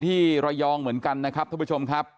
ที่ระยองเหมือนกันนะครับท่านผู้ชมครับ